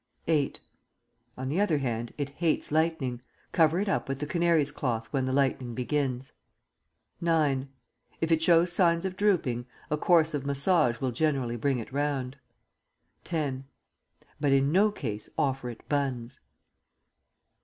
VIII. On the other hand, it hates lightning. Cover it up with the canary's cloth when the lightning begins. IX. If it shows signs of drooping, a course of massage will generally bring it round. X. But in no case offer it buns.